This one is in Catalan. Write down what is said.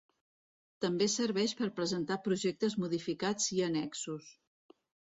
També serveix per presentar projectes modificats i annexos.